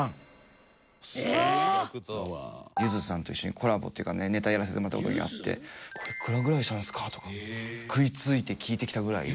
うわ！ゆずさんと一緒にコラボというかネタやらせてもらった時があって「おいくらぐらいしたんですか？」とか食いついて聞いてきたぐらい。